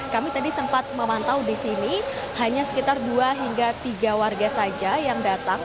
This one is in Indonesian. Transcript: kami tadi sempat memantau di sini hanya sekitar dua hingga tiga warga saja yang datang